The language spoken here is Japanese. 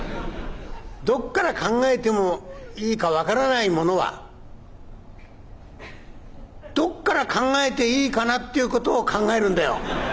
「どっから考えていいか分からない者は『どっから考えていいかな』ということを考えるんだよ。